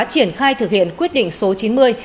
triển khai thực hiện quyết định số chín mươi